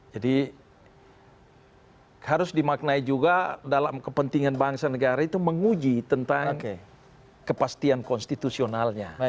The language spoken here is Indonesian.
jadi harus dimaknai juga dalam kepentingan bangsa dan negara itu menguji tentang kepastian konstitusionalnya